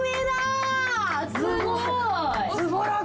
すごい。